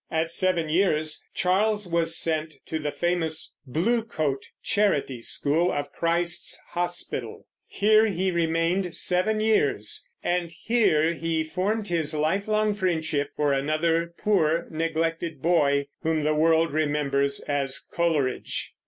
At seven years, Charles was sent to the famous "Bluecoat" charity school of Christ's Hospital. Here he remained seven years; and here he formed his lifelong friendship for another poor, neglected boy, whom the world remembers as Coleridge.